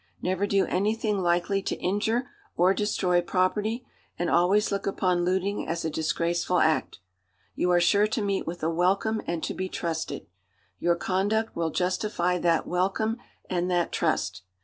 Never do anything likely to injure or destroy property, and always look upon looting as a disgraceful act. You are sure to meet with a welcome and to be trusted; your conduct will justify that welcome and that trust.